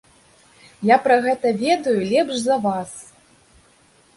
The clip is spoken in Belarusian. Я пра гэта ведаю лепш за вас.